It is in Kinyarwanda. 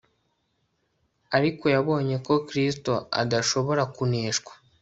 Ariko yabonye ko Kristo adashobora kuneshwa